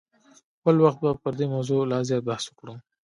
بل وخت به پر دې موضوع لا زیات بحث وکړو.